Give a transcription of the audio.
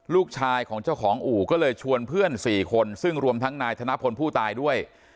ลูกชายของเจ้าของอู่ก็เลยชวนเพื่อน๔คนซึ่งรวมทั้งนายธนพลผู้ตายด้วย